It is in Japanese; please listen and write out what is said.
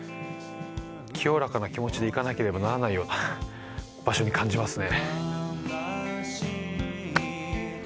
清らかな気持ちで行かなければならないような場所に感じますね。